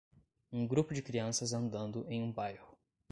Um grupo de crianças andando em um bairro.